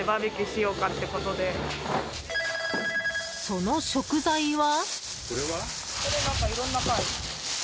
その食材は？